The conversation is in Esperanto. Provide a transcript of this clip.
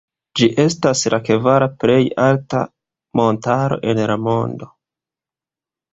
Ĝi estas la kvara plej alta montaro en la mondo.